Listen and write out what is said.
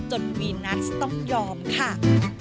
วีนัสต้องยอมค่ะ